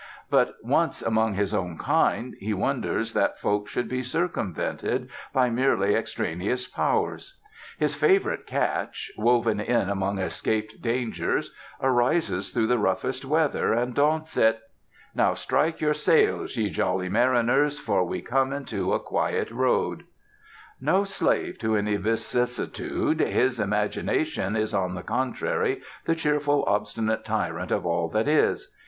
But once among his own kind, he wonders that folk should be circumvented by merely extraneous powers! His favorite catch, woven in among escaped dangers, rises through the roughest weather, and daunts it: "Now strike your sailes, ye jolly mariners, For we be come into a quiet rode." No slave to any vicissitude, his imagination is, on the contrary, the cheerful obstinate tyrant of all that is.